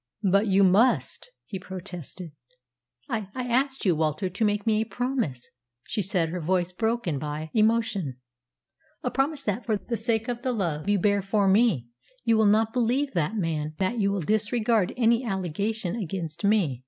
"But you must," he protested. "I I asked you, Walter, to make me a promise," she said, her voice broken by emotion "a promise that, for the sake of the love you bear for me, you will not believe that man, that you will disregard any allegation against me."